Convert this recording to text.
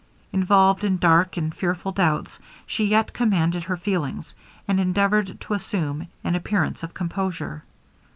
Involved in dark and fearful doubts, she yet commanded her feelings, and endeavoured to assume an appearance of composure.